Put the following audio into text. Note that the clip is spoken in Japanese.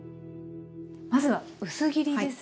まずは薄切りですね。